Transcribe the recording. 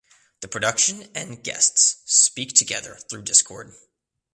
The production and guests speak together through Discord.